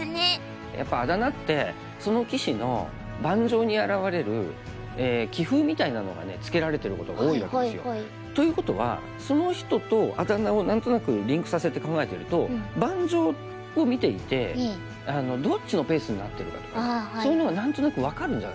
やっぱりあだ名ってその棋士の盤上に表れるということはその人とあだ名を何となくリンクさせて考えてると盤上を見ていてどっちのペースになってるかとかそういうのが何となく分かるんじゃないかな。